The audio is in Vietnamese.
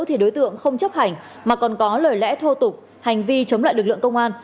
thì đối tượng không chấp hành mà còn có lời lẽ thô tục hành vi chống lại lực lượng công an